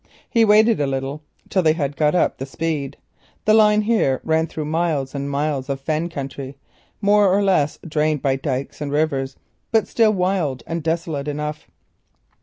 He waited a little till they had got up the speed. The line here ran through miles and miles of fen country, more or less drained by dykes and rivers, but still wild and desolate enough.